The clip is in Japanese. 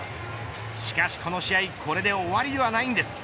しかしこの試合これで終わりではないんです。